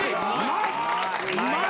うまい。